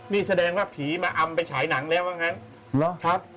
นี่แสดงว่าผีมาอำไปฉายหนังแล้วว่างั้น